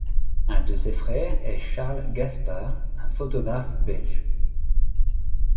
Un de ses frères est Charles Gaspar, un photographe belge.